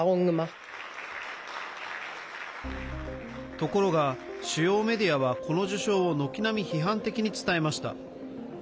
ところが、主要メディアはこの受章を軒並み批判的に伝えました。